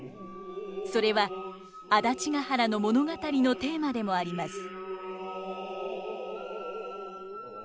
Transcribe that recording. それは「安達原」の物語のテーマでもあります。